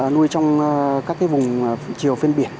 nuôi trong các vùng chiều phên biển